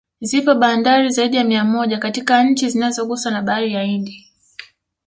Zipo bandari zaidi ya mia moja katika chi zinazoguswa na Bahari ya Hindi